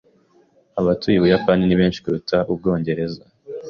Abatuye Ubuyapani ni benshi kuruta ubw'Ubwongereza.